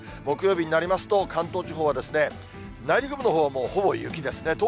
木曜日になりますと、関東地方は内陸部のほうはもうほぼ雪ですね。